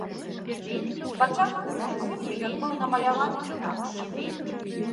Спачатку ў мультфільме ён быў намаляваны інакш.